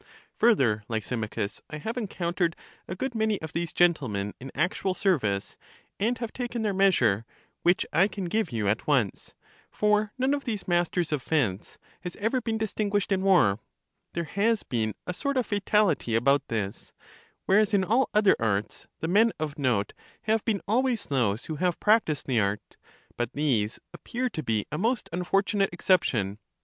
Further, Lysimachus, I have encountered a good many of these gentlemen in actual service, and have taken their measure, which I can give you at once ; for none of these masters of fence has ever been distinguished in war, — there has been a sort of fa tality about this: whereas, in all other arts, the men of note have been always those who have practised the art; but these appear to be a most unfortunate exception.